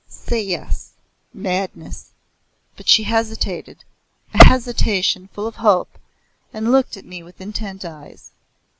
Say yes." Madness! But she hesitated a hesitation full of hope, and looked at me with intent eyes.